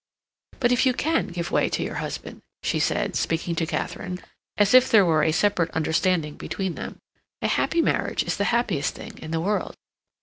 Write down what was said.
"But if you can give way to your husband," she said, speaking to Katharine, as if there were a separate understanding between them, "a happy marriage is the happiest thing in the world."